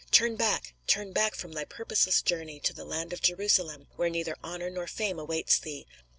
Turn back, turn back from thy purposeless journey to the land of Jerusalem, where neither honor nor fame awaits thee.